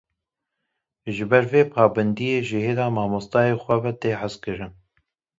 Ji ber vê pabendiyê ji hêla mamosteyê xwe ve tê hezkirin